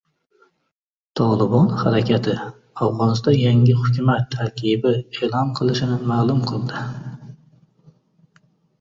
Tolibon harakati Afg‘onistonda yangi hukumat tarkibi e’lon qilinishini ma’lum qildi